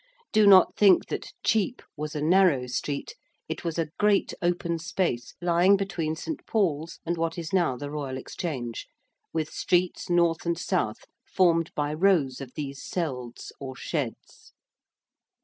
Do not think that 'Chepe' was a narrow street: it was a great open space lying between St. Paul's and what is now the Royal Exchange, with streets north and south formed by rows of these selds or sheds.